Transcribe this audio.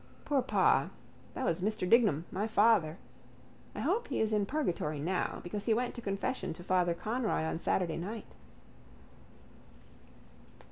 Poor pa. That was Mr Dignam, my father. I hope he's in purgatory now because he went to confession to Father Conroy on Saturday night.